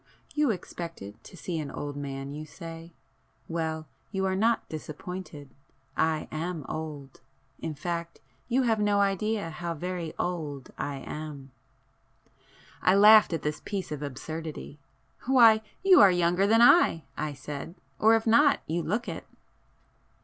You expected to see an old man you say? Well, you are not disappointed—I am old. In fact you have no idea how very old I am!" I laughed at this piece of absurdity. "Why, you are younger than I,"—I said—"or if not, you look it."